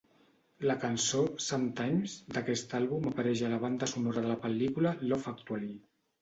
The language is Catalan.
La cançó "Sometimes" d'aquest àlbum apareix a la banda sonora de la pel·lícula "Love Actually".